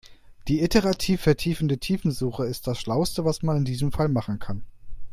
Die iterativ vertiefende Tiefensuche ist das schlauste, was man in diesem Fall machen kann.